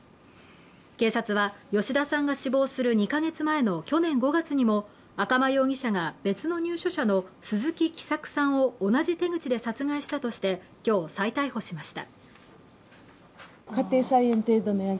警察は吉田さんが死亡する２カ月前の去年５月にも赤間容疑者が別の入所者の鈴木喜作さんを同じ手口で殺害したとして今日、再逮捕しました。